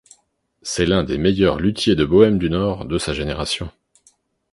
C'est l'un des meilleurs luthiers de Bohême du Nord de sa génération.